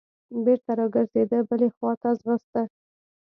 بېرته راګرځېده بلې خوا ته ځغسته.